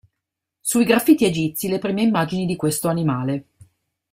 Sui graffiti egizi le prime immagini di questo animale.